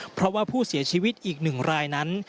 เพราะว่าผู้เสียชีวิตอีก๑รายนั้น